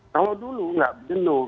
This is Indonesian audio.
kalau dulu nggak jenuh